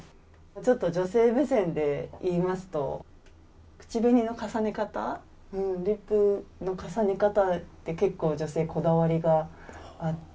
ちょっと女性目線で言いますと口紅の重ね方、リップの重ね方って結構、女性こだわりがあって。